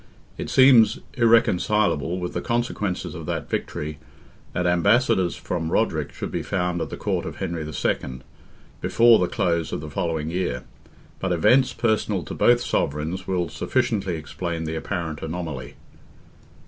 It seems irreconcilable, with the consequences of that victory, that Ambassadors from Roderick should be found at the Court of Henry II. before the close of the following year: but events personal to both sovereigns will sufficiently explain the apparent anomaly.